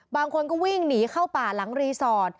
บางคนก็วิ่งหนีเข้าป่าหลังรีสอร์ท